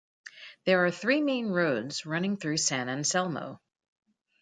There are three main roads running through San Anselmo.